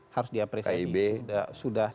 harus diapresiasi sudah sudah